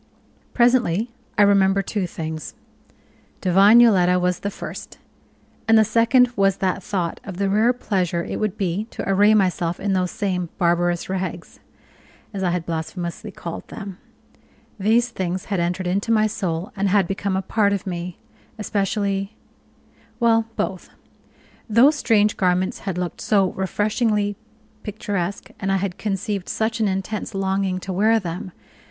Presently I remembered two things divine Yoletta was the first; and the second was that thought of the rare pleasure it would be to array myself in those same "barbarous rags," as I had blasphemously called them. These things had entered into my soul, and had become a part of me especially well, both. Those strange garments had looked so refreshingly picturesque, and I had conceived such an intense longing to wear them!